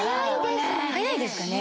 早いですね。